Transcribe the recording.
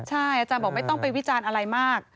ใช่อาจารย์บอกไม่ต้องไปวิจารณ์อะไรมาก